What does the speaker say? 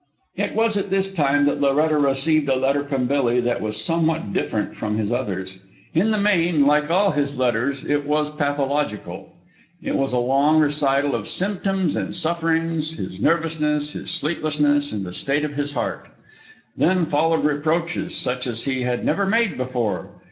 It was at this time that Loretta received a letter from Billy that was somewhat different from his others. In the main, like all his letters, it was pathological. It was a long recital of symptoms and sufferings, his nervousness, his sleeplessness, and the state of his heart. Then followed reproaches, such as he had never made before.